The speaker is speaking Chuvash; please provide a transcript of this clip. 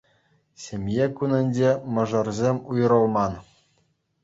Ҫемье кунӗнче мӑшӑрсем уйрӑлман